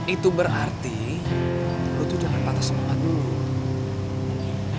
itu berarti lo tuh jangan patah semangat dulu